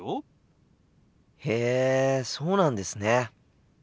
へえそうなんですね。